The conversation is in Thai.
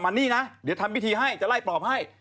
นี่นะเดี๋ยวทำพิธีให้จะไล่ปลอบให้